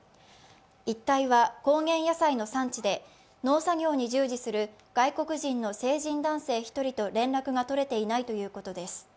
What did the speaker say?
一帯は高原野菜の産地で、農作業に従事する外国人の成人男性１人と連絡が取れていないということです。